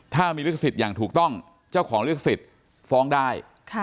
ถ้ามีลิขสิทธิ์อย่างถูกต้องเจ้าของลิขสิทธิ์ฟ้องได้